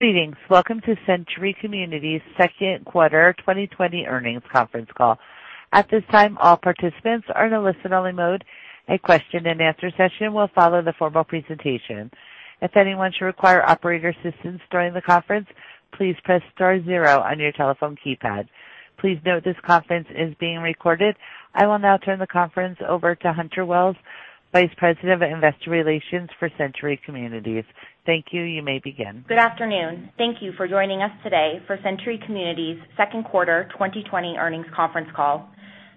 Greetings. Welcome to Century Communities' second quarter 2020 earnings conference call. At this time, all participants are in a listen-only mode. A question and answer session will follow the formal presentation. If anyone should require operator assistance during the conference, please press star zero on your telephone keypad. Please note this conference is being recorded. I will now turn the conference over to Hunter Wells, Vice President of Investor Relations for Century Communities. Thank you. You may begin. Good afternoon. Thank you for joining us today for Century Communities' second quarter 2020 earnings conference call.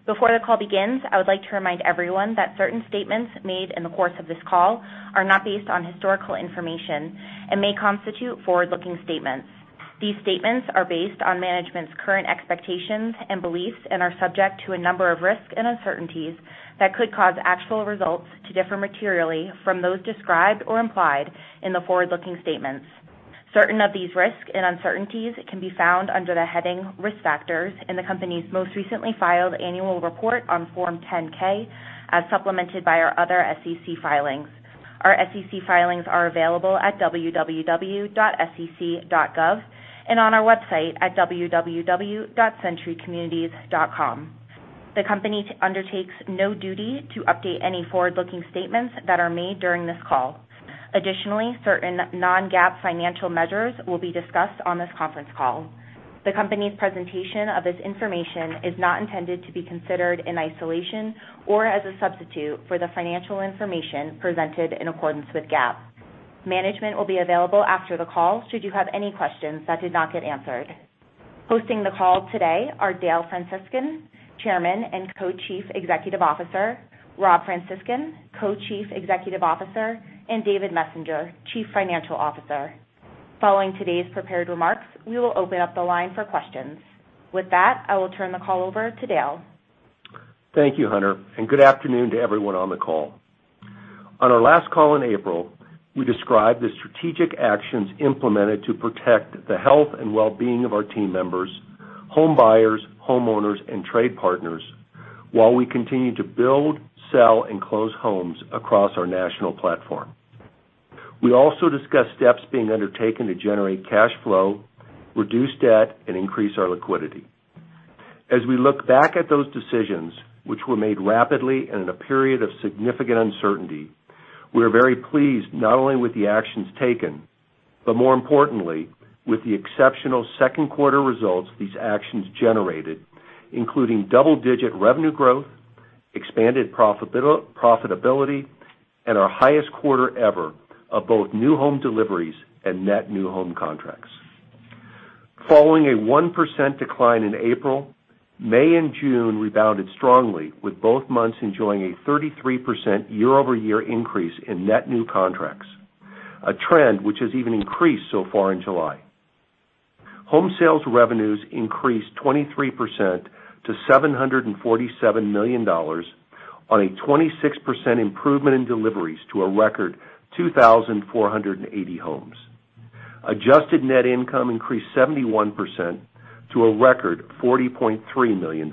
Before the call begins, I would like to remind everyone that certain statements made in the course of this call are not based on historical information and may constitute forward-looking statements. These statements are based on management's current expectations and beliefs and are subject to a number of risks and uncertainties that could cause actual results to differ materially from those described or implied in the forward-looking statements. Certain of these risks and uncertainties can be found under the heading Risk Factors in the company's most recently filed annual report on Form 10-K, as supplemented by our other SEC filings. Our SEC filings are available at www.sec.gov and on our website at www.centurycommunities.com. The company undertakes no duty to update any forward-looking statements that are made during this call. Additionally, certain non-GAAP financial measures will be discussed on this conference call. The company's presentation of this information is not intended to be considered in isolation or as a substitute for the financial information presented in accordance with GAAP. Management will be available after the call should you have any questions that did not get answered. Hosting the call today are Dale Francescon, Chairman and Co-Chief Executive Officer, Rob Francescon, Co-Chief Executive Officer, and David Messenger, Chief Financial Officer. Following today's prepared remarks, we will open up the line for questions. With that, I will turn the call over to Dale. Thank you, Hunter, and good afternoon to everyone on the call. On our last call in April, we described the strategic actions implemented to protect the health and well-being of our team members, homebuyers, homeowners, and trade partners while we continue to build, sell, and close homes across our national platform. We also discussed steps being undertaken to generate cash flow, reduce debt, and increase our liquidity. As we look back at those decisions, which were made rapidly and in a period of significant uncertainty, we are very pleased not only with the actions taken, but more importantly, with the exceptional second quarter results these actions generated, including double-digit revenue growth, expanded profitability, and our highest quarter ever of both new home deliveries and net new home contracts. Following a 1% decline in April, May and June rebounded strongly with both months enjoying a 33% year-over-year increase in net new contracts, a trend which has even increased so far in July. Home sales revenues increased 23% to $747 million on a 26% improvement in deliveries to a record 2,480 homes. Adjusted net income increased 71% to a record $40.3 million.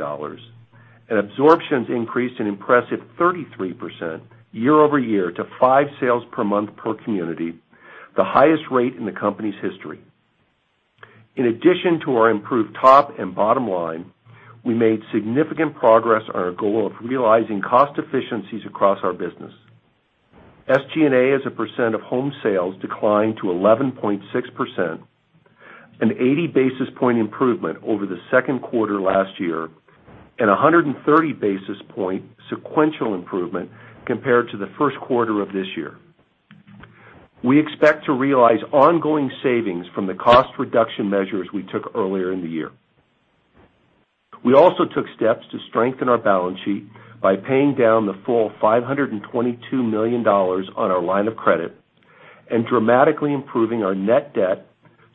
Absorptions increased an impressive 33% year-over-year to five sales per month per community, the highest rate in the company's history. In addition to our improved top and bottom line, we made significant progress on our goal of realizing cost efficiencies across our business. SG&A as a percent of home sales declined to 11.6%, an 80 basis point improvement over the second quarter last year and 130 basis point sequential improvement compared to the first quarter of this year. We expect to realize ongoing savings from the cost reduction measures we took earlier in the year. We also took steps to strengthen our balance sheet by paying down the full $522 million on our line of credit and dramatically improving our net debt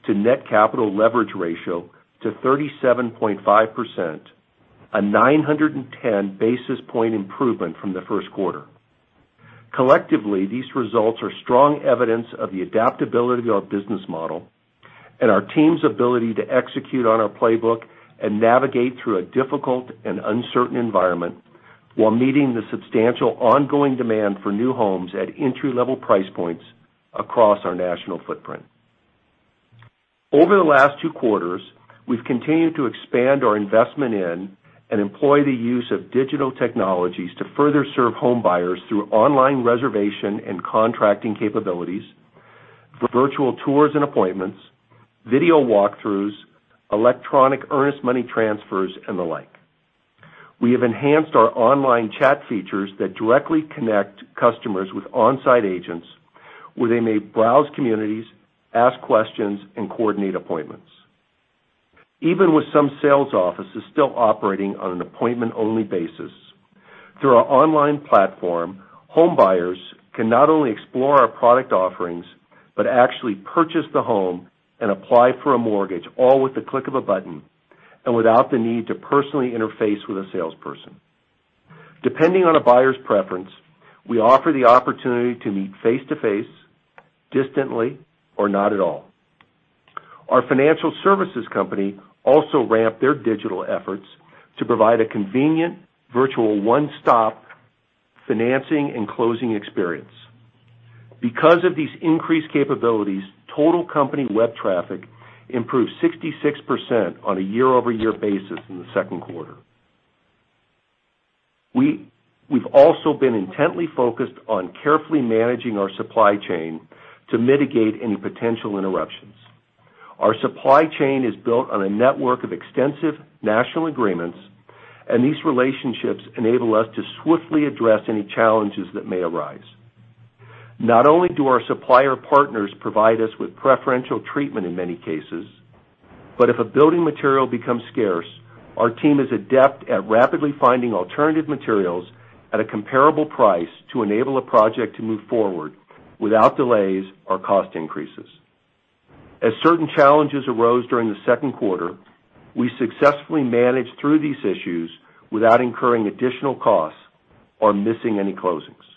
to net capital leverage ratio to 37.5%, a 910 basis point improvement from the first quarter. Collectively, these results are strong evidence of the adaptability of our business model and our team's ability to execute on our playbook and navigate through a difficult and uncertain environment while meeting the substantial ongoing demand for new homes at entry-level price points across our national footprint. Over the last two quarters, we've continued to expand our investment in and employ the use of digital technologies to further serve homebuyers through online reservation and contracting capabilities, virtual tours and appointments, video walkthroughs, electronic earnest money transfers, and the like. We have enhanced our online chat features that directly connect customers with on-site agents where they may browse communities, ask questions, and coordinate appointments. Even with some sales offices still operating on an appointment-only basis, through our online platform, homebuyers can not only explore our product offerings, but actually purchase the home and apply for a mortgage, all with the click of a button and without the need to personally interface with a salesperson. Depending on a buyer's preference, we offer the opportunity to meet face-to-face, distantly, or not at all. Our financial services company also ramped their digital efforts to provide a convenient virtual one-stop financing and closing experience. Because of these increased capabilities, total company web traffic improved 66% on a year-over-year basis in the second quarter. We've also been intently focused on carefully managing our supply chain to mitigate any potential interruptions. Our supply chain is built on a network of extensive national agreements. These relationships enable us to swiftly address any challenges that may arise. Not only do our supplier partners provide us with preferential treatment in many cases, but if a building material becomes scarce, our team is adept at rapidly finding alternative materials at a comparable price to enable a project to move forward without delays or cost increases. As certain challenges arose during the second quarter, we successfully managed through these issues without incurring additional costs or missing any closings.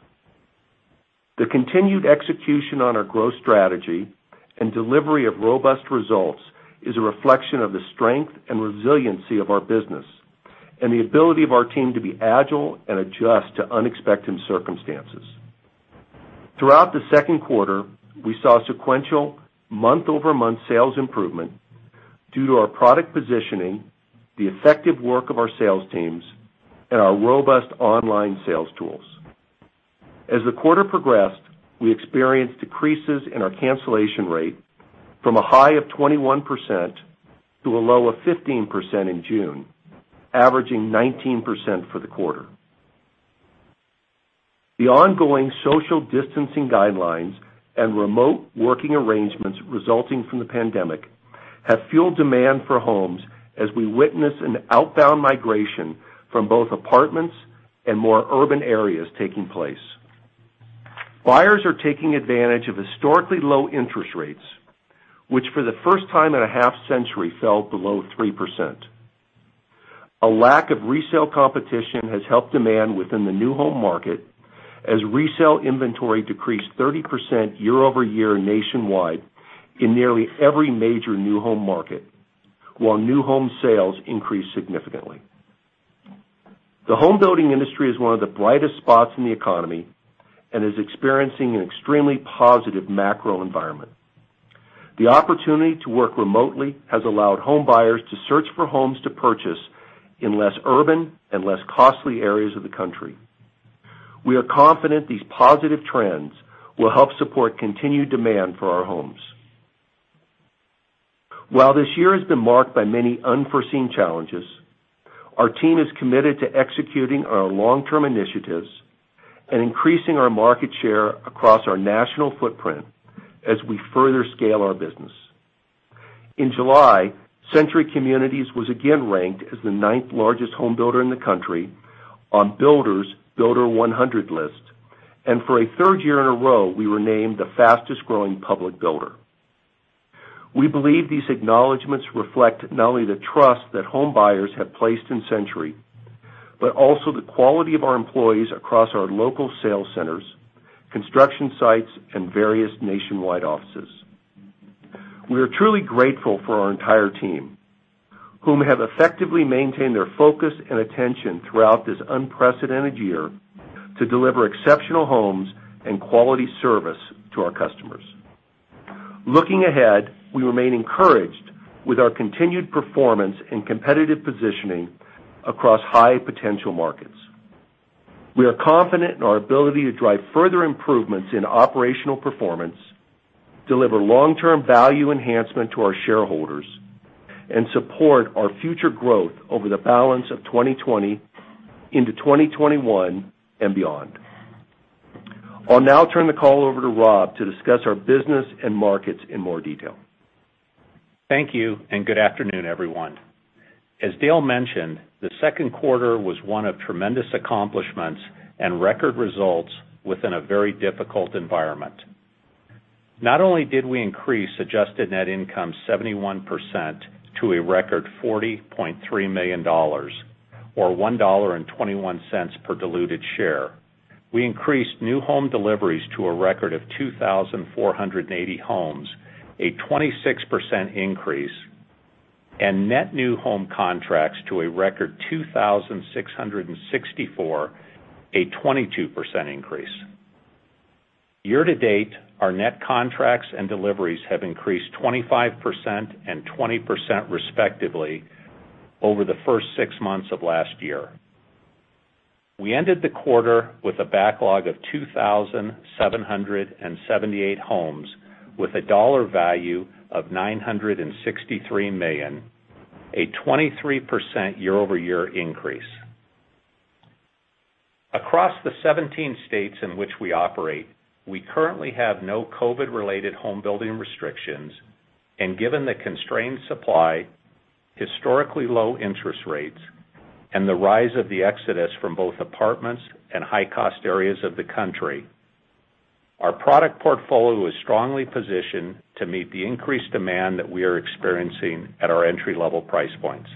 The continued execution on our growth strategy and delivery of robust results is a reflection of the strength and resiliency of our business and the ability of our team to be agile and adjust to unexpected circumstances. Throughout the second quarter, we saw sequential month-over-month sales improvement due to our product positioning, the effective work of our sales teams, and our robust online sales tools. As the quarter progressed, we experienced decreases in our cancellation rate from a high of 21% to a low of 15% in June, averaging 19% for the quarter. The ongoing social distancing guidelines and remote working arrangements resulting from the pandemic have fueled demand for homes as we witness an outbound migration from both apartments and more urban areas taking place. Buyers are taking advantage of historically low interest rates, which for the first time in a half-century fell below 3%. A lack of resale competition has helped demand within the new home market as resale inventory decreased 30% year-over-year nationwide in nearly every major new home market, while new home sales increased significantly. The home building industry is one of the brightest spots in the economy and is experiencing an extremely positive macro environment. The opportunity to work remotely has allowed home buyers to search for homes to purchase in less urban and less costly areas of the country. We are confident these positive trends will help support continued demand for our homes. While this year has been marked by many unforeseen challenges, our team is committed to executing our long-term initiatives and increasing our market share across our national footprint as we further scale our business. In July, Century Communities was again ranked as the 9th-Largest Home Builder in the country on Builders' Builder 100 list. For a third year in a row, we were named the fastest-growing public builder. We believe these acknowledgments reflect not only the trust that home buyers have placed in Century, but also the quality of our employees across our local sales centers, construction sites, and various nationwide offices. We are truly grateful for our entire team, whom have effectively maintained their focus and attention throughout this unprecedented year to deliver exceptional homes and quality service to our customers. Looking ahead, we remain encouraged with our continued performance and competitive positioning across high potential markets. We are confident in our ability to drive further improvements in operational performance, deliver long-term value enhancement to our shareholders, and support our future growth over the balance of 2020 into 2021 and beyond. I'll now turn the call over to Rob to discuss our business and markets in more detail. Thank you, good afternoon, everyone. As Dale mentioned, the second quarter was one of tremendous accomplishments and record results within a very difficult environment. Not only did we increase adjusted net income 71% to a record $40.3 million, or $1.21 per diluted share, we increased new home deliveries to a record of 2,480 homes, a 26% increase, and net new home contracts to a record 2,664, a 22% increase. Year-to-date, our net contracts and deliveries have increased 25% and 20%, respectively, over the first six months of last year. We ended the quarter with a backlog of 2,778 homes with a dollar value of $963 million, a 23% year-over-year increase. Across the 17 states in which we operate, we currently have no COVID-related homebuilding restrictions, and given the constrained supply, historically low interest rates, and the rise of the exodus from both apartments and high-cost areas of the country, our product portfolio is strongly positioned to meet the increased demand that we are experiencing at our entry-level price points.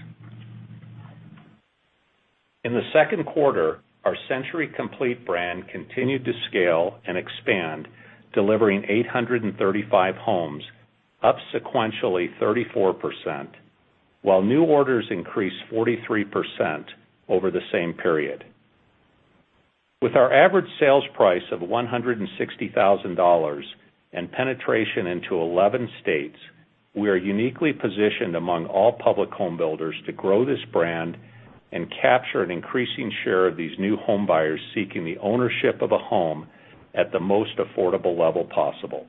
In the second quarter, our Century Complete brand continued to scale and expand, delivering 835 homes, up sequentially 34%, while new orders increased 43% over the same period. With our average sales price of $160,000 and penetration into 11 states, we are uniquely positioned among all public homebuilders to grow this brand and capture an increasing share of these new home buyers seeking the ownership of a home at the most affordable level possible.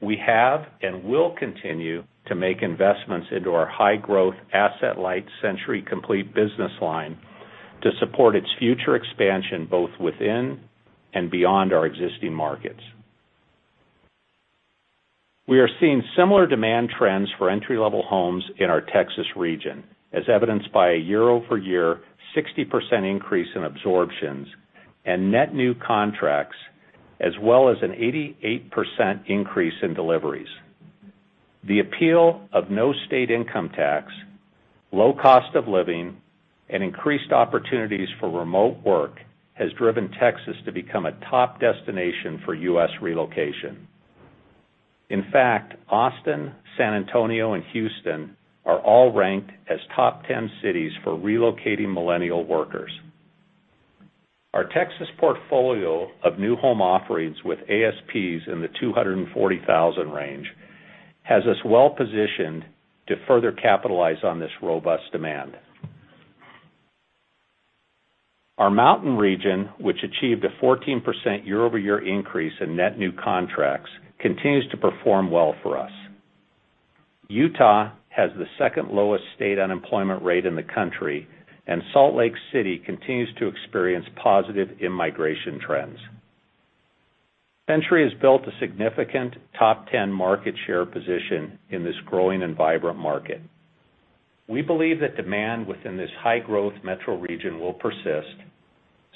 We have, and will continue, to make investments into our high-growth, asset-light Century Complete business line to support its future expansion both within and beyond our existing markets. We are seeing similar demand trends for entry-level homes in our Texas region, as evidenced by a year-over-year 60% increase in absorptions and net new contracts, as well as an 88% increase in deliveries. The appeal of no state income tax, low cost of living, and increased opportunities for remote work has driven Texas to become a top destination for U.S. relocation. In fact, Austin, San Antonio, and Houston are all ranked as top 10 cities for relocating millennial workers. Our Texas portfolio of new home offerings with ASPs in the $240,000 range has us well positioned to further capitalize on this robust demand. Our Mountain region, which achieved a 14% year-over-year increase in net new contracts, continues to perform well for us. Utah has the second lowest state unemployment rate in the country, and Salt Lake City continues to experience positive in-migration trends. Century has built a significant top 10 market share position in this growing and vibrant market. We believe that demand within this high-growth metro region will persist,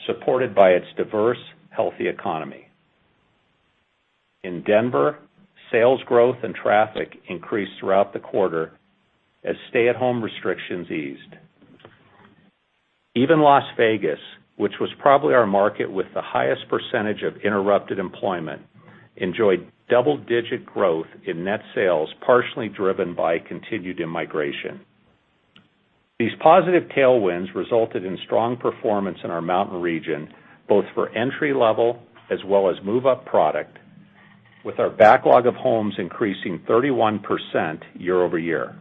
supported by its diverse, healthy economy. In Denver, sales growth and traffic increased throughout the quarter as stay-at-home restrictions eased. Even Las Vegas, which was probably our market with the highest percentage of interrupted employment, enjoyed double-digit growth in net sales, partially driven by continued in-migration. These positive tailwinds resulted in strong performance in our Mountain region, both for entry-level as well as move-up product, with our backlog of homes increasing 31% year-over-year.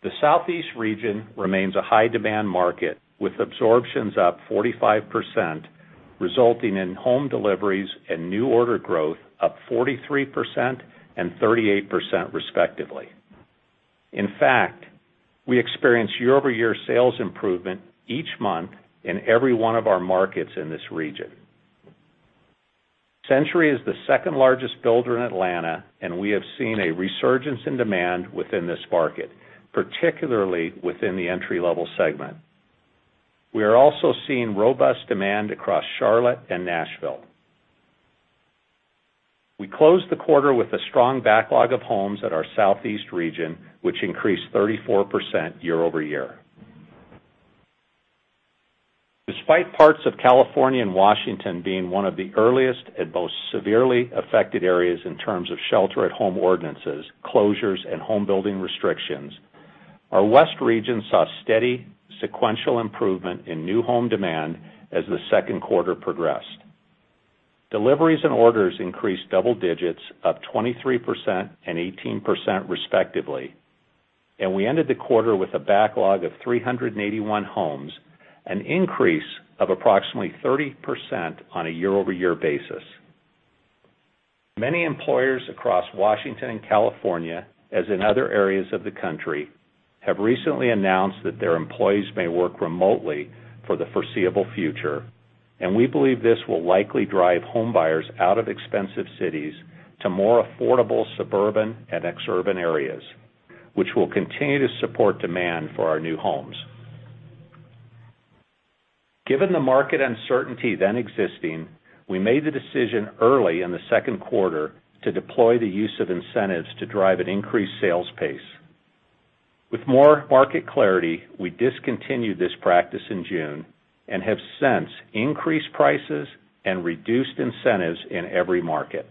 The Southeast region remains a high-demand market, with absorptions up 45%, resulting in home deliveries and new order growth up 43% and 38% respectively. In fact, we experienced year-over-year sales improvement each month in every one of our markets in this region. Century is the second-largest builder in Atlanta, and we have seen a resurgence in demand within this market, particularly within the entry-level segment. We are also seeing robust demand across Charlotte and Nashville. We closed the quarter with a strong backlog of homes at our Southeast region, which increased 34% year-over-year. Despite parts of California and Washington being one of the earliest and most severely affected areas in terms of shelter-at-home ordinances, closures, and home building restrictions, our West region saw steady sequential improvement in new home demand as the second quarter progressed. Deliveries and orders increased double digits, up 23% and 18% respectively. We ended the quarter with a backlog of 381 homes, an increase of approximately 30% on a year-over-year basis. Many employers across Washington and California, as in other areas of the country, have recently announced that their employees may work remotely for the foreseeable future. We believe this will likely drive home buyers out of expensive cities to more affordable suburban and exurban areas, which will continue to support demand for our new homes. Given the market uncertainty then existing, we made the decision early in the second quarter to deploy the use of incentives to drive an increased sales pace. With more market clarity, we discontinued this practice in June and have since increased prices and reduced incentives in every market.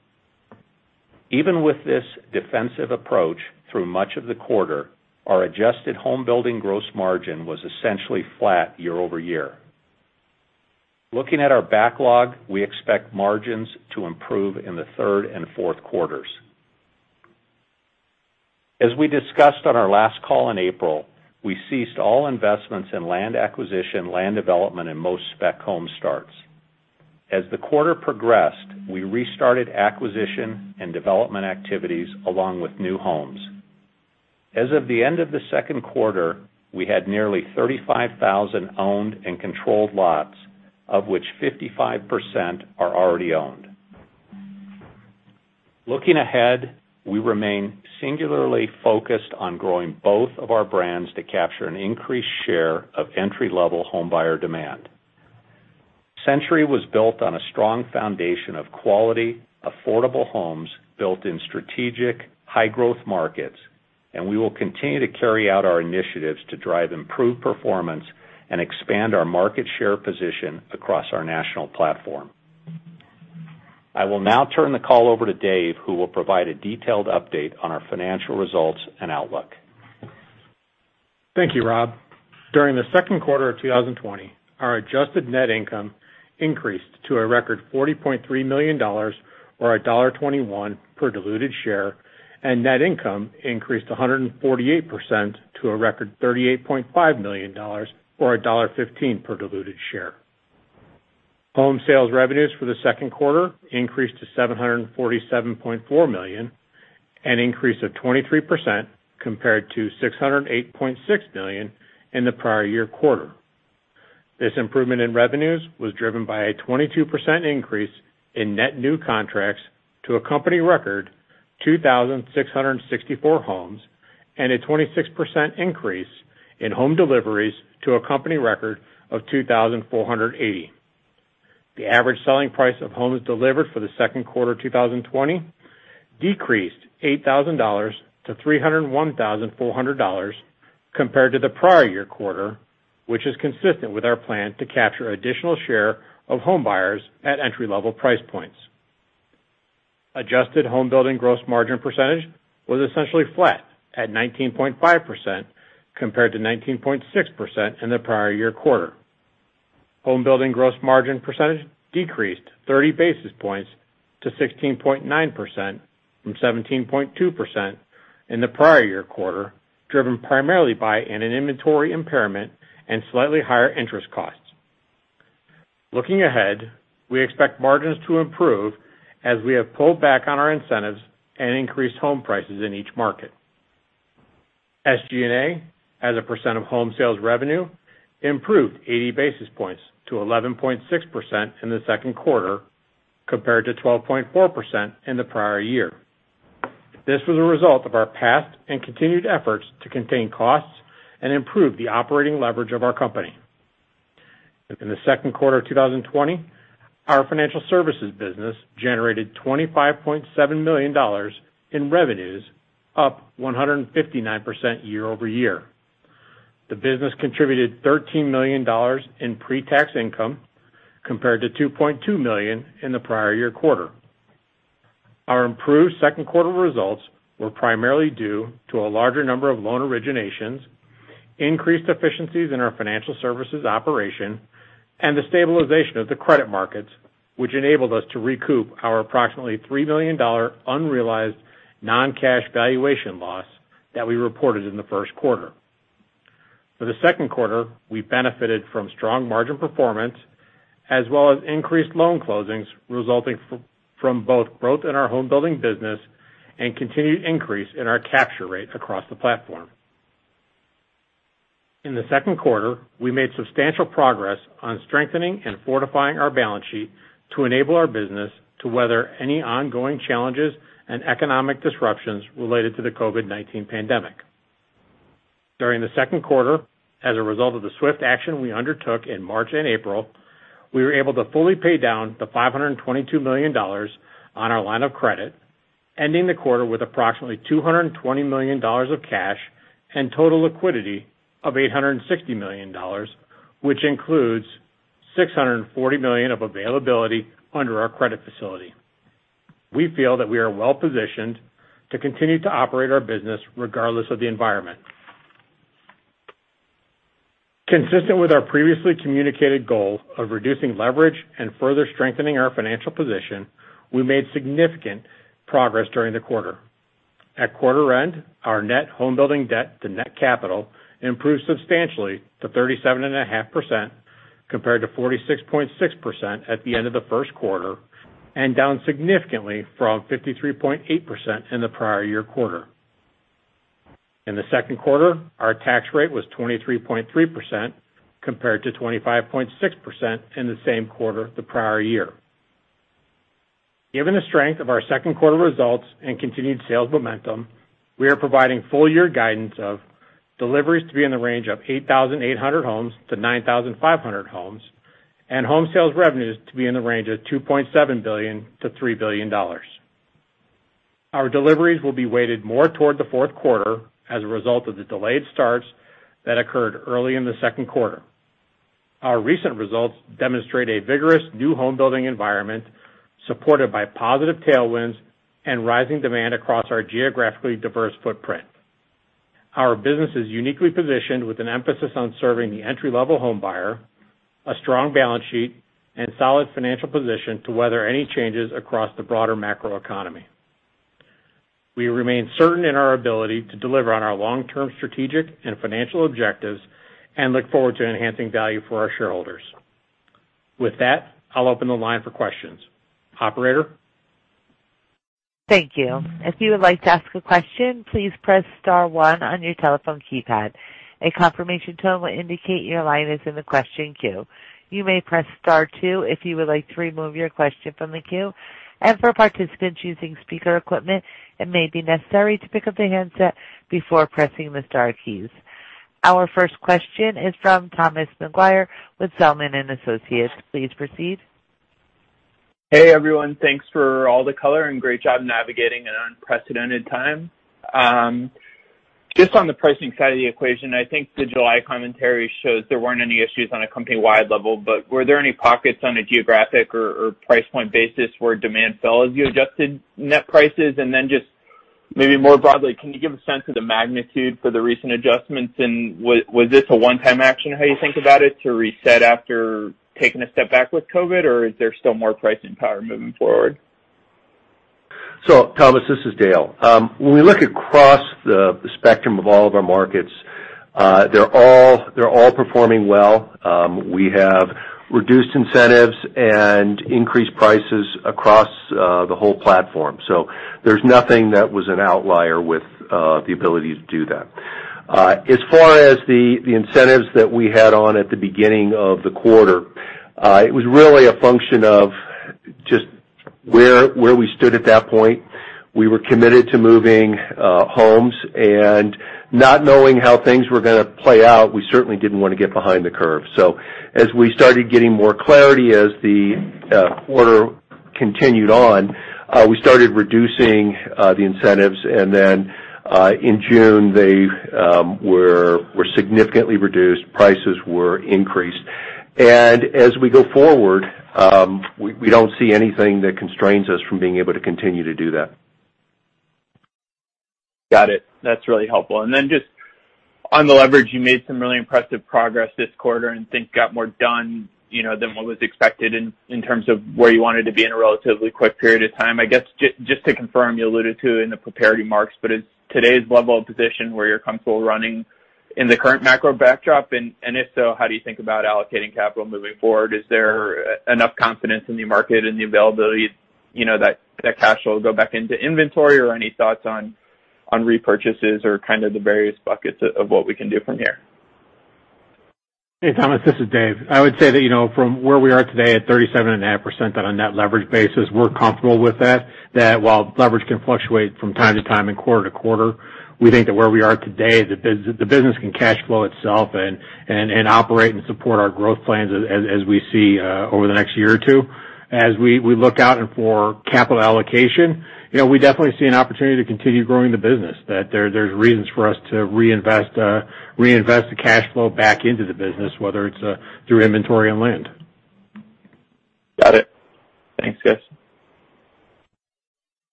Even with this defensive approach through much of the quarter, our adjusted homebuilding gross margin was essentially flat year-over-year. Looking at our backlog, we expect margins to improve in the third and fourth quarters. As we discussed on our last call in April, we ceased all investments in land acquisition, land development, and most spec home starts. As the quarter progressed, we restarted acquisition and development activities along with new homes. As of the end of the second quarter, we had nearly 35,000 owned and controlled lots, of which 55% are already owned. Looking ahead, we remain singularly focused on growing both of our brands to capture an increased share of entry-level home buyer demand. Century was built on a strong foundation of quality, affordable homes built in strategic, high-growth markets, and we will continue to carry out our initiatives to drive improved performance and expand our market share position across our national platform. I will now turn the call over to Dave, who will provide a detailed update on our financial results and outlook. Thank you, Rob. During the second quarter of 2020, our adjusted net income increased to a record $40.3 million, or $1.21 per diluted share, and net income increased 148% to a record $38.5 million, or $1.15 per diluted share. Home sales revenues for the second quarter increased to $747.4 million, an increase of 23% compared to $608.6 million in the prior year quarter. This improvement in revenues was driven by a 22% increase in net new contracts to a company record 2,664 homes, and a 26% increase in home deliveries to a company record of 2,480. The average selling price of homes delivered for the second quarter 2020 decreased $8,000 to $301,400 compared to the prior year quarter, which is consistent with our plan to capture additional share of home buyers at entry-level price points. Adjusted homebuilding gross margin percentage was essentially flat at 19.5% compared to 19.6% in the prior year quarter. Homebuilding gross margin percentage decreased 30 basis points to 16.9% from 17.2% in the prior year quarter, driven primarily by an inventory impairment and slightly higher interest costs. Looking ahead, we expect margins to improve as we have pulled back on our incentives and increased home prices in each market. SG&A, as a percent of home sales revenue, improved 80 basis points to 11.6% in the second quarter, compared to 12.4% in the prior year. This was a result of our past and continued efforts to contain costs and improve the operating leverage of our company. In the second quarter 2020, our financial services business generated $25.7 million in revenues, up 159% year-over-year. The business contributed $13 million in pre-tax income compared to $2.2 million in the prior year quarter. Our improved second quarter results were primarily due to a larger number of loan originations, increased efficiencies in our financial services operation, and the stabilization of the credit markets, which enabled us to recoup our approximately $3 million unrealized non-cash valuation loss that we reported in the first quarter. For the second quarter, we benefited from strong margin performance as well as increased loan closings resulting from both growth in our homebuilding business and continued increase in our capture rate across the platform. In the second quarter, we made substantial progress on strengthening and fortifying our balance sheet to enable our business to weather any ongoing challenges and economic disruptions related to the COVID-19 pandemic. During the second quarter, as a result of the swift action we undertook in March and April, we were able to fully pay down the $522 million on our line of credit, ending the quarter with approximately $220 million of cash and total liquidity of $860 million, which includes $640 million of availability under our credit facility. We feel that we are well-positioned to continue to operate our business regardless of the environment. Consistent with our previously communicated goal of reducing leverage and further strengthening our financial position, we made significant progress during the quarter. At quarter end, our net homebuilding debt to net capital improved substantially to 37.5%, compared to 46.6% at the end of the first quarter, and down significantly from 53.8% in the prior year quarter. In the second quarter, our tax rate was 23.3% compared to 25.6% in the same quarter the prior year. Given the strength of our second quarter results and continued sales momentum, we are providing full year guidance of deliveries to be in the range of 8,800-9,500 homes, and home sales revenues to be in the range of $2.7 billion-$3 billion. Our deliveries will be weighted more toward the fourth quarter as a result of the delayed starts that occurred early in the second quarter. Our recent results demonstrate a vigorous new homebuilding environment supported by positive tailwinds and rising demand across our geographically diverse footprint. Our business is uniquely positioned with an emphasis on serving the entry-level home buyer, a strong balance sheet, and solid financial position to weather any changes across the broader macroeconomy. We remain certain in our ability to deliver on our long-term strategic and financial objectives and look forward to enhancing value for our shareholders. With that, I'll open the line for questions. Operator? Thank you. If you would like to ask a question, please press star one on your telephone keypad. A confirmation tone will indicate your line is in the question queue. You may press star two if you would like to remove your question from the queue. As for participants using speaker equipment, it may be necessary to pick up the handset before pressing the star keys. Our first question is from Thomas Maguire with Zelman & Associates. Please proceed. Hey, everyone. Thanks for all the color and great job navigating an unprecedented time. Just on the pricing side of the equation, I think the July commentary shows there weren't any issues on a company-wide level, but were there any pockets on a geographic or price point basis where demand fell as you adjusted net prices? Just maybe more broadly, can you give a sense of the magnitude for the recent adjustments, and was this a one-time action, how you think about it, to reset after taking a step back with COVID, or is there still more pricing power moving forward? Thomas, this is Dale. When we look across the spectrum of all of our markets, they're all performing well. We have reduced incentives and increased prices across the whole platform. There's nothing that was an outlier with the ability to do that. As far as the incentives that we had on at the beginning of the quarter, it was really a function of just where we stood at that point. We were committed to moving homes and not knowing how things were going to play out, we certainly didn't want to get behind the curve. As we started getting more clarity as the quarter continued on, we started reducing the incentives, and then in June, they were significantly reduced. Prices were increased. As we go forward, we don't see anything that constrains us from being able to continue to do that. Got it. That's really helpful. just on the leverage, you made some really impressive progress this quarter and things got more done than what was expected in terms of where you wanted to be in a relatively quick period of time. I guess, just to confirm, you alluded to it in the prepared remarks, but is today's level of position where you're comfortable running in the current macro backdrop? If so, how do you think about allocating capital moving forward? Is there enough confidence in the market and the availability that cash flow will go back into inventory or any thoughts on repurchases or kind of the various buckets of what we can do from here? Hey, Thomas, this is Dave. I would say that from where we are today at 37.5% on a net leverage basis, we're comfortable with that. That while leverage can fluctuate from time to time and quarter to quarter, we think that where we are today, the business can cash flow itself and operate and support our growth plans as we see over the next year or two. As we look out and for capital allocation, we definitely see an opportunity to continue growing the business, that there's reasons for us to reinvest the cash flow back into the business, whether it's through inventory and land. Got it. Thanks, guys.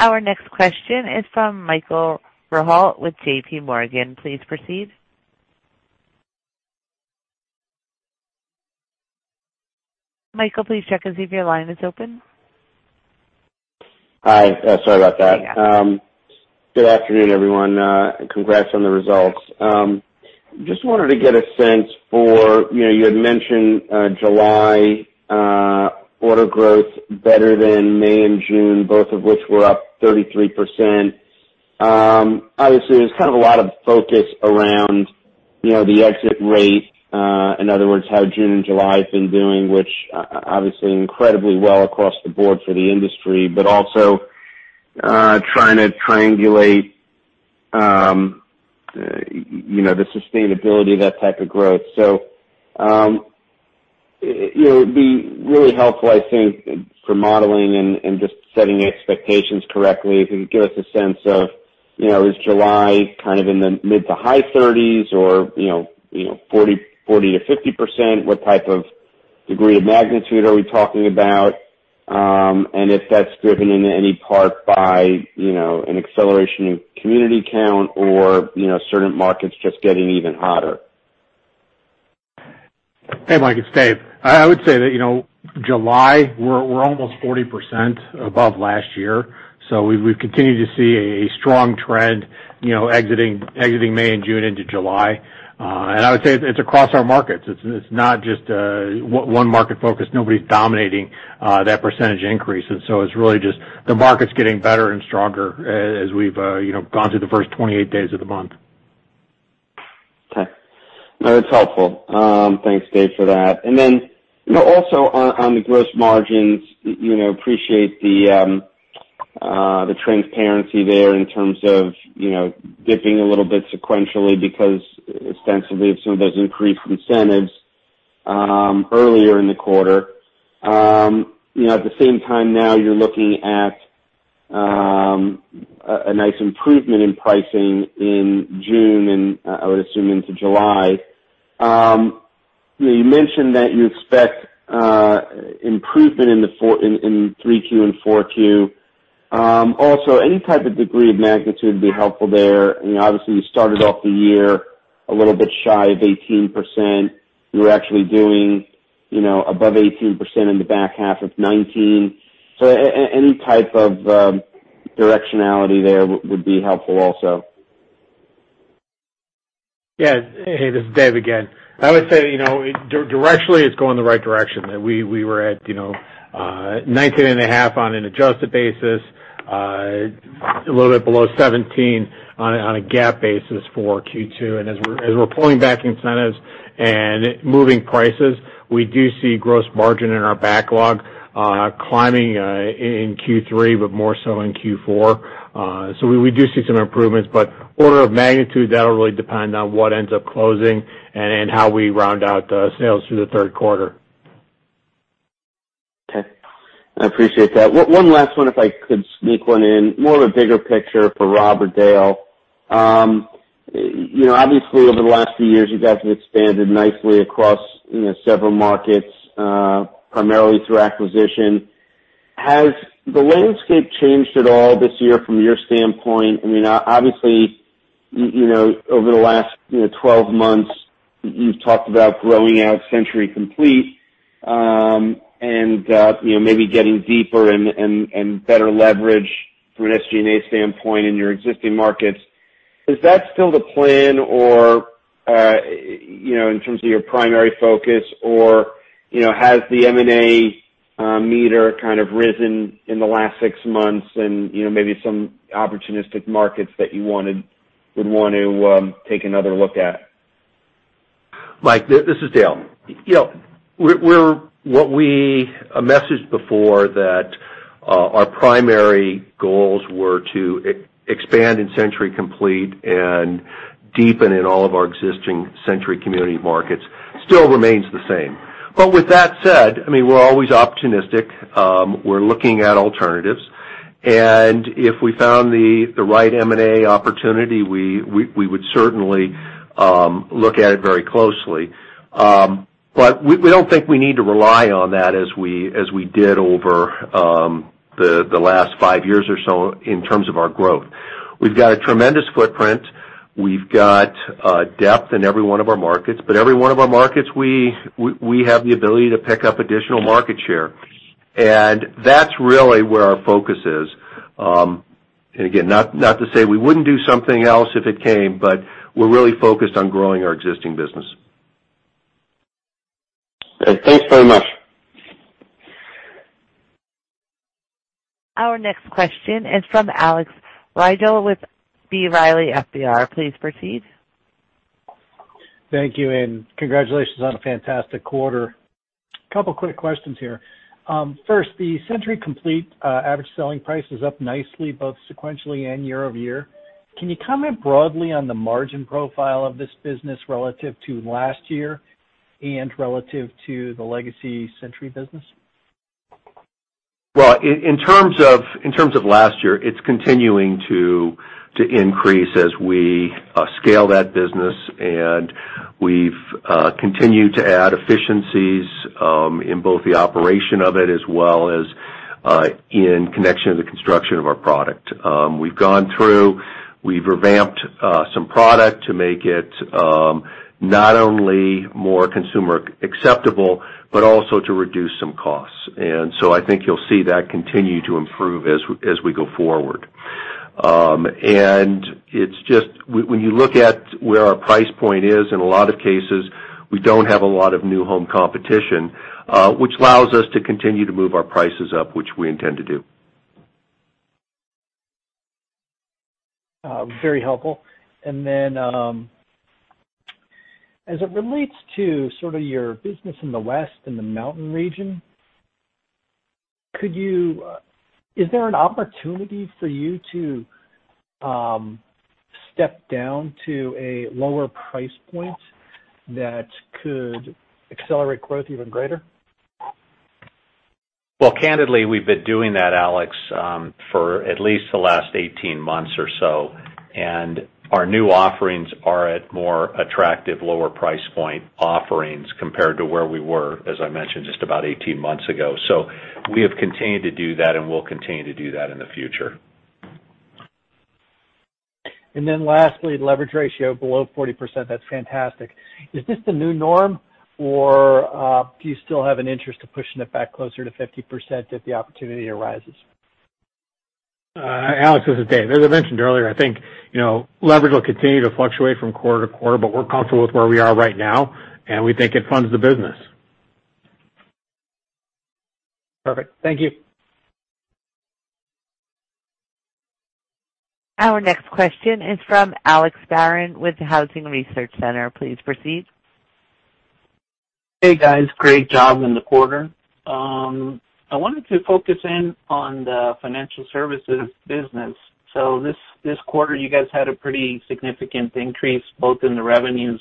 Our next question is from Michael Rehaut with JPMorgan. Please proceed. Michael, please check and see if your line is open. Hi. Sorry about that. There you go. Good afternoon, everyone. Congrats on the results. Just wanted to get a sense for, you had mentioned July order growth better than May and June, both of which were up 33%. Obviously, there's kind of a lot of focus around the exit rate, in other words, how June and July have been doing, which obviously incredibly well across the board for the industry, but also trying to triangulate the sustainability of that type of growth. it'd be really helpful, I think, for modeling and just setting expectations correctly if you can give us a sense of, is July kind of in the mid to high 30s or 40%-50%? What type of degree of magnitude are we talking about? if that's driven in any part by an acceleration of community count or certain markets just getting even hotter. Hey, Mike, it's Dave. I would say that July, we're almost 40% above last year. We've continued to see a strong trend exiting May and June into July. I would say it's across our markets. It's not just one market focus. Nobody's dominating that percentage increase. It's really just the market's getting better and stronger as we've gone through the first 28 days of the month. Okay. No, that's helpful. Thanks, Dave, for that. Also on the gross margins, appreciate the transparency there in terms of dipping a little bit sequentially because ostensibly of some of those increased incentives earlier in the quarter. At the same time now you're looking at a nice improvement in pricing in June and I would assume into July. You mentioned that you expect improvement in 3Q and 4Q. Also, any type of degree of magnitude would be helpful there. Obviously, you started off the year a little bit shy of 18%. You were actually doing above 18% in the back half of 2019. Any type of directionality there would be helpful also. Yeah. Hey, this is Dave again. I would say, directionally it's going the right direction. We were at 19.5 on an adjusted basis, a little bit below 17 on a GAAP basis for Q2. As we're pulling back incentives and moving prices, we do see gross margin in our backlog climbing in Q3, but more so in Q4. We do see some improvements, but order of magnitude, that'll really depend on what ends up closing and how we round out sales through the third quarter. Okay. I appreciate that. One last one, if I could sneak one in, more of a bigger picture for Rob or Dale. Obviously, over the last few years, you guys have expanded nicely across several markets, primarily through acquisition. Has the landscape changed at all this year from your standpoint? I mean, obviously, over the last 12 months, you've talked about growing out Century Complete, and maybe getting deeper and better leverage from an SG&A standpoint in your existing markets. Is that still the plan in terms of your primary focus? Has the M&A meter kind of risen in the last six months and maybe some opportunistic markets that you would want to take another look at? Mike, this is Dale. What we messaged before that our primary goals were to expand in Century Complete and deepen in all of our existing Century Communities markets still remains the same. With that said, we're always opportunistic. We're looking at alternatives. If we found the right M&A opportunity, we would certainly look at it very closely. We don't think we need to rely on that as we did over the last five years or so in terms of our growth. We've got a tremendous footprint. We've got depth in every one of our markets, but every one of our markets, we have the ability to pick up additional market share. That's really where our focus is. Again, not to say we wouldn't do something else if it came, but we're really focused on growing our existing business. Okay, thanks very much. Our next question is from Alex Rygiel with B. Riley FBR. Please proceed. Thank you, and congratulations on a fantastic quarter. A couple quick questions here. First, the Century Complete average selling price is up nicely, both sequentially and year-over-year. Can you comment broadly on the margin profile of this business relative to last year and relative to the legacy Century business? Well, in terms of last year, it's continuing to increase as we scale that business, and we've continued to add efficiencies, in both the operation of it as well as in connection to the construction of our product. We've gone through, we've revamped some product to make it not only more consumer acceptable, but also to reduce some costs. I think you'll see that continue to improve as we go forward. When you look at where our price point is, in a lot of cases, we don't have a lot of new home competition, which allows us to continue to move our prices up, which we intend to do. Very helpful. as it relates to sort of your business in the West and the mountain region, is there an opportunity for you to step down to a lower price point that could accelerate growth even greater? Well, candidly, we've been doing that, Alex, for at least the last 18 months or so, and our new offerings are at more attractive, lower price point offerings compared to where we were, as I mentioned, just about 18 months ago. We have continued to do that and will continue to do that in the future. lastly, leverage ratio below 40%, that's fantastic. Is this the new norm, or do you still have an interest to pushing it back closer to 50% if the opportunity arises? Alex, this is Dave. As I mentioned earlier, I think leverage will continue to fluctuate from quarter to quarter, but we're comfortable with where we are right now, and we think it funds the business. Perfect. Thank you. Our next question is from Alex Barron with the Housing Research Center. Please proceed. Hey, guys. Great job in the quarter. I wanted to focus in on the financial services business. This quarter, you guys had a pretty significant increase both in the revenues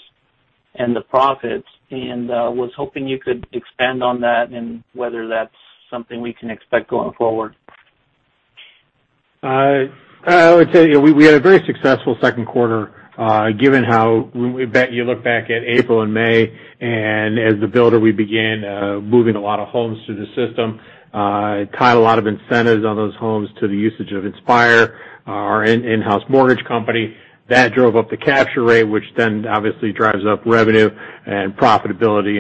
and the profits, and I was hoping you could expand on that and whether that's something we can expect going forward. I would say, we had a very successful second quarter, given how when you look back at April and May, and as the builder, we began moving a lot of homes through the system, tied a lot of incentives on those homes to the usage of Inspire, our in-house mortgage company. That drove up the capture rate, which then obviously drives up revenue and profitability.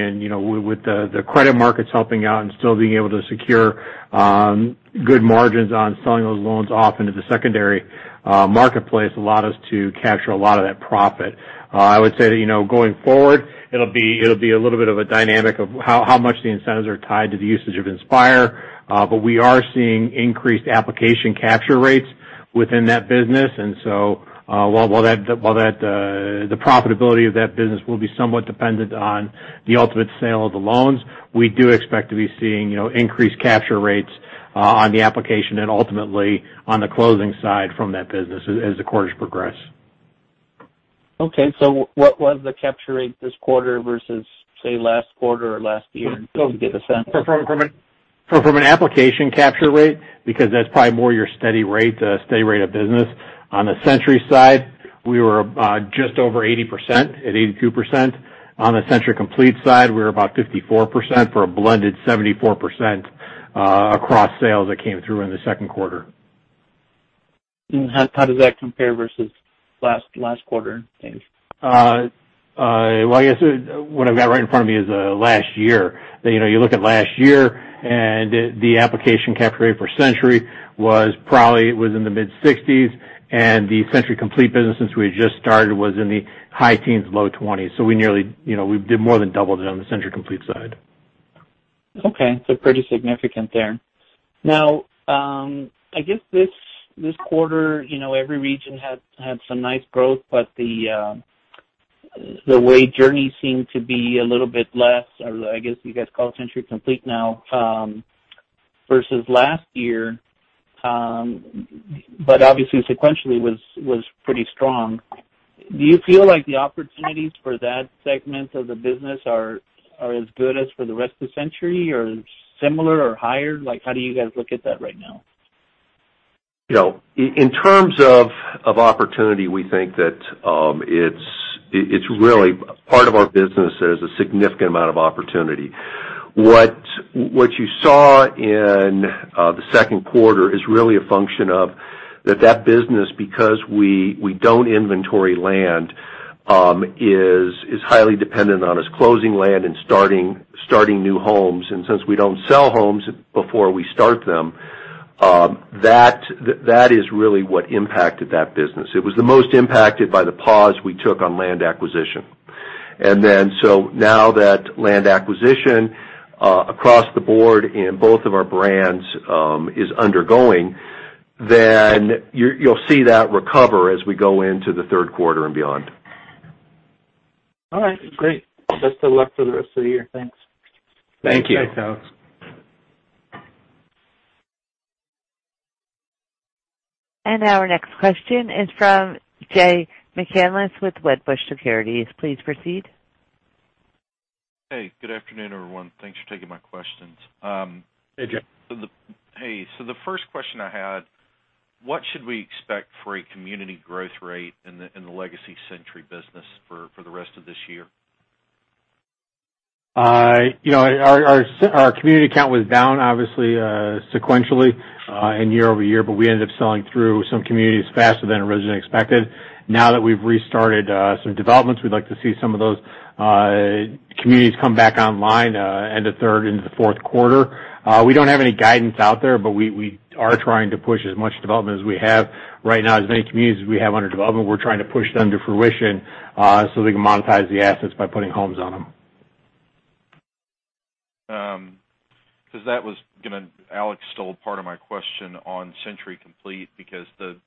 With the credit markets helping out and still being able to secure good margins on selling those loans off into the secondary marketplace allowed us to capture a lot of that profit. I would say that, going forward, it'll be a little bit of a dynamic of how much the incentives are tied to the usage of Inspire. We are seeing increased application capture rates within that business. While the profitability of that business will be somewhat dependent on the ultimate sale of the loans, we do expect to be seeing increased capture rates on the application and ultimately on the closing side from that business as the quarters progress. Okay. What was the capture rate this quarter versus, say, last quarter or last year, just to get a sense? From an application capture rate, because that's probably more your steady rate of business. On the Century side, we were just over 80%, at 82%. On the Century Complete side, we were about 54%, for a blended 74% across sales that came through in the second quarter. How does that compare versus last quarter change? Well, I guess what I've got right in front of me is last year. You look at last year, and the application capture rate for Century was in the mid-60s, and the Century Complete business, since we had just started, was in the high teens, low 20s. we did more than double it on the Century Complete side. Okay. Pretty significant there. Now, I guess this quarter, every region had some nice growth, but the Wade Jurney seemed to be a little bit less, or I guess you guys call it Century Complete now, versus last year. Obviously sequentially, was pretty strong. Do you feel like the opportunities for that segment of the business are as good as for the rest of Century or similar or higher? How do you guys look at that right now? In terms of opportunity, we think that part of our business, there's a significant amount of opportunity. What you saw in the second quarter is really a function of that business because we don't inventory land, is highly dependent on us closing land and starting new homes. since we don't sell homes before we start them, that is really what impacted that business. It was the most impacted by the pause we took on land acquisition. now that land acquisition across the board in both of our brands is undergoing, then you'll see that recover as we go into the third quarter and beyond. All right, great. Best of luck for the rest of the year. Thanks. Thank you. Thanks, Alex. Now our next question is from Jay McCanless with Wedbush Securities. Please proceed. Hey, good afternoon, everyone. Thanks for taking my questions. Hey, Jay. Hey. The first question I had, what should we expect for a community growth rate in the legacy Century business for the rest of this year? Our community count was down, obviously, sequentially and year-over-year, but we ended up selling through some communities faster than originally expected. Now that we've restarted some developments, we'd like to see some of those communities come back online end of third into the fourth quarter. We don't have any guidance out there, but we are trying to push as much development as we have right now, as many communities as we have under development, we're trying to push them to fruition so we can monetize the assets by putting homes on them. that was going to Alex stole part of my question on Century Complete because the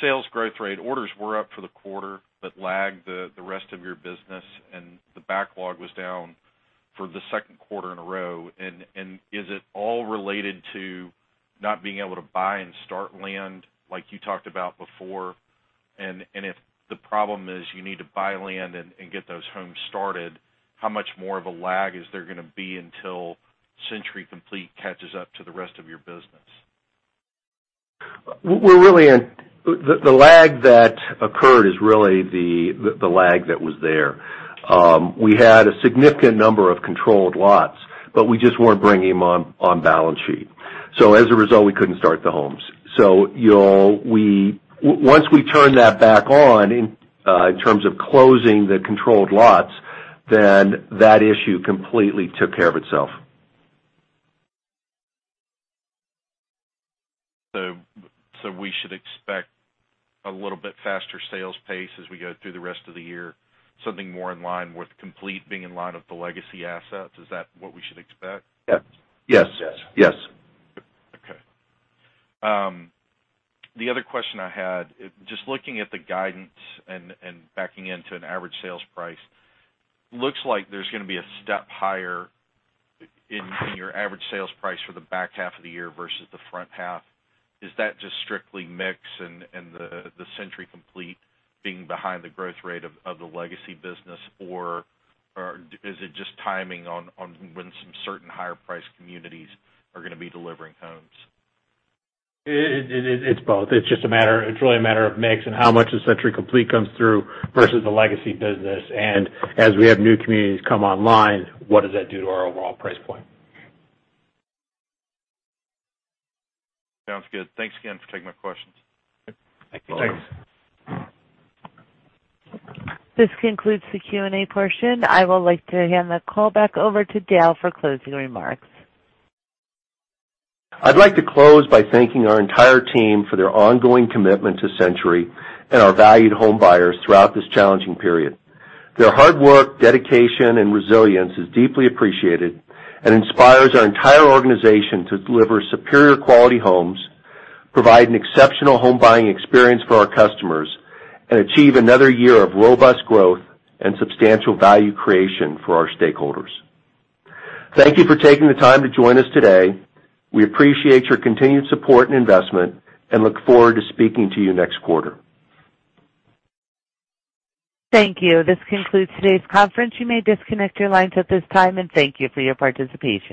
sales growth rate orders were up for the quarter but lagged the rest of your business, and the backlog was down for the second quarter in a row. is it all related to not being able to buy and start land like you talked about before? if the problem is you need to buy land and get those homes started, how much more of a lag is there going to be until Century Complete catches up to the rest of your business? The lag that occurred is really the lag that was there. We had a significant number of controlled lots, but we just weren't bringing them on balance sheet. As a result, we couldn't start the homes. Once we turned that back on in terms of closing the controlled lots, then that issue completely took care of itself. We should expect a little bit faster sales pace as we go through the rest of the year, something more in line with Complete being in line with the legacy assets. Is that what we should expect? Yes. Okay. The other question I had, just looking at the guidance and backing into an average sales price, looks like there's going to be a step higher in your average sales price for the back half of the year versus the front half. Is that just strictly mix and the Century Complete being behind the growth rate of the legacy business, or is it just timing on when some certain higher priced communities are going to be delivering homes? It's both. It's really a matter of mix and how much of Century Complete comes through versus the legacy business. As we have new communities come online, what does that do to our overall price point? Sounds good. Thanks again for taking my questions. Thank you. This concludes the Q&A portion. I would like to hand the call back over to Dale for closing remarks. I'd like to close by thanking our entire team for their ongoing commitment to Century and our valued homebuyers throughout this challenging period. Their hard work, dedication, and resilience is deeply appreciated and inspires our entire organization to deliver superior quality homes, provide an exceptional home buying experience for our customers, and achieve another year of robust growth and substantial value creation for our stakeholders. Thank you for taking the time to join us today. We appreciate your continued support and investment and look forward to speaking to you next quarter. Thank you. This concludes today's conference. You may disconnect your lines at this time, and thank you for your participation.